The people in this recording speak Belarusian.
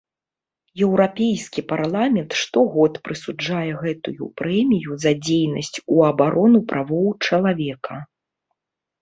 Еўрапейскі парламент штогод прысуджае гэтую прэмію за дзейнасць у абарону правоў чалавека.